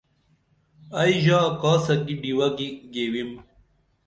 ائی ژا کاسہ کی ڈیوہ گی گیوِم